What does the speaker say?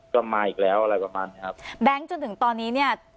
ก็มาอีกแล้วอะไรประมาณเนี้ยครับแบงค์จนถึงตอนนี้เนี่ย